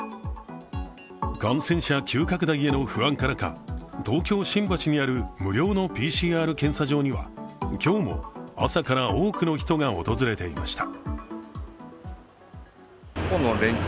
感染者急拡大への不安からか東京・新橋にある無料のＰＣＲ検査場には、今日も朝から多くの人が訪れていました。